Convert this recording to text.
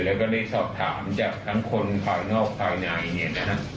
แล้วก็ได้สอบถามจากทั้งคนภายนอกภายในเนี่ยนะฮะ